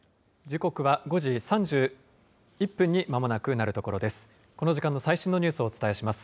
時刻は５時３１分に、まもなくなるところです。